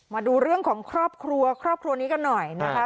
มาดูเรื่องของครอบครัวครอบครัวนี้กันหน่อยนะคะ